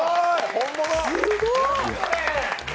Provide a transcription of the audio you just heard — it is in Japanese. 本物！